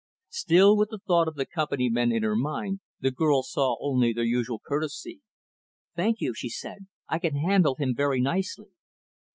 Still with the thought of the Company men in her mind, the girl saw only their usual courtesy. "Thank you," she said, "I can handle him very nicely."